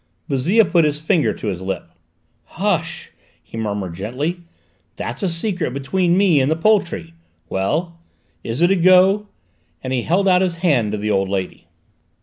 Bouzille put his finger to his lip. "Hush!" he murmured gently; "that's a secret between me and the poultry. Well, is it a go?" and he held out his hand to the old lady.